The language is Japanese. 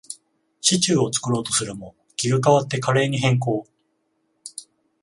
シチューを作ろうとするも、気が変わってカレーに変更